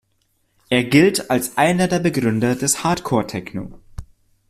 Er gilt als einer der Begründer des Hardcore Techno.